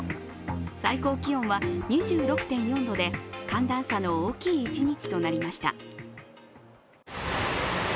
最高気温は２６．４度で寒暖差の大きい一日となりました。